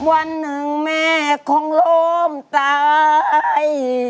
วันหนึ่งแม่คงล้มตาย